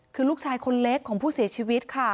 คือลูกชายคนเล็กของผู้เสียชีวิตค่ะ